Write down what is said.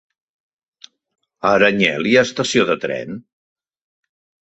A Aranyel hi ha estació de tren?